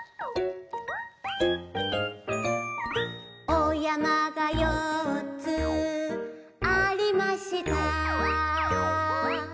「お山が４つありました」